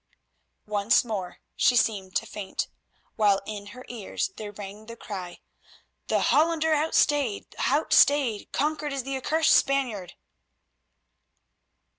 Once more she seemed to faint, while in her ears there rang the cry—"The Hollander! Outstayed! Outstayed! Conquered is the accursed Spaniard!"